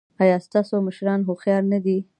ایا ستاسو مشران هوښیار نه دي؟